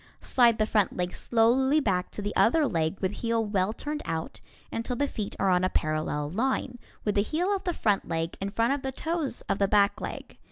Slide the front leg slowly back to the other leg with heel well turned out, until the feet are on a parallel line, with the heel of the front leg in front of the toes of the back leg.